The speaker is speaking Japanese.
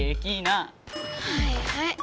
はいはい。